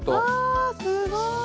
あすごい。